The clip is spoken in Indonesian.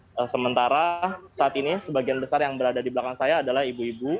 nah sementara saat ini sebagian besar yang berada di belakang saya adalah ibu ibu